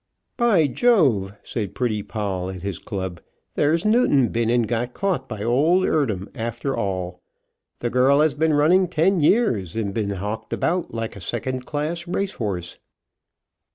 "By Jove," said Pretty Poll at his club, "there's Newton been and got caught by old Eardham after all. The girl has been running ten years, and been hawked about like a second class race horse."